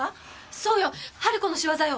そうよハル子の仕業よ。